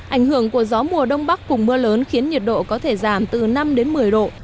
ảnh hưởng của gió mùa đông bắc cùng mưa lớn khiến nhiệt độ có thể giảm từ năm đến một mươi độ